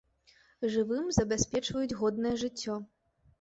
Жывым забяспечваюць годнае жыццё.